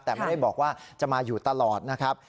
แต่ไม่ได้บอกว่าจะมาอยู่ตลอดนะครับ